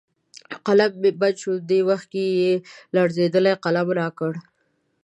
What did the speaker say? قلم مې بند شو، دې وخت کې یې زړېدلی قلم را کړ.